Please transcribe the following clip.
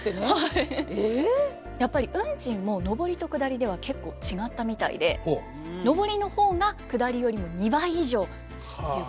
やっぱり運賃も上りと下りでは結構違ったみたいで上りの方が下りよりも２倍以上ということです。